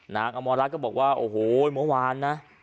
นางอมรรดิก็บอกว่าโอ้โหมะวานนะ